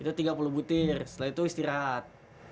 itu tiga puluh butir setelah itu istirahat